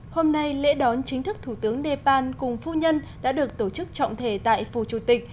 hôm nay lễ đón chính thức thủ tướng nepal cùng phu nhân đã được tổ chức trọng thể tại phù chủ tịch